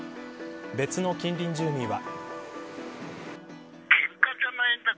別の近隣住民は。